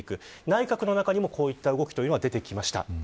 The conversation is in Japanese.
内閣の中にも、こういった動きというのが出てきま